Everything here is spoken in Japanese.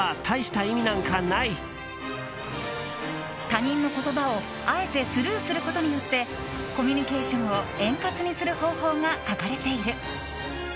他人の言葉をあえてスルーすることによってコミュニケーションを円滑にする方法が書かれている。